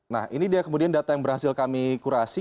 nah ini dia kemudian data yang berhasil kami kurasi